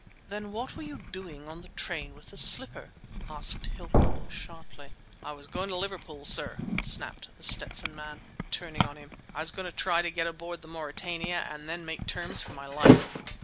"Then what were you doing on the train with the slipper?" asked Hilton sharply. "I was going to Liverpool, sir!" snapped The Stetson Man, turning on him. "I was going to try to get aboard the Mauretania and then make terms for my life!